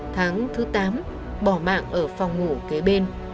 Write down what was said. tháng thứ tám bỏ mạng ở phòng ngủ kế bên